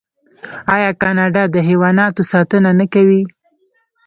آیا کاناډا د حیواناتو ساتنه نه کوي؟